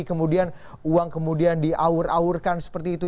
kemudian uang kemudian diaur aurkan seperti itu